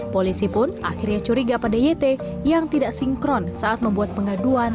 polisi pun akhirnya curiga pada yt yang tidak sinkron saat membuat pengaduan